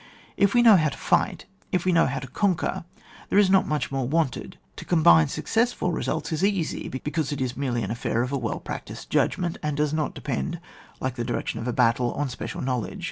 If we know how to fight, if we know how to conquer, there is not much more wanted ; to combine successfril results is easy, because it is merely an affair of a well practised judgment, and does not depend, like the direction of a battle, on special knowledge.